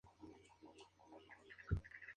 Sus propietarios son hispánicos.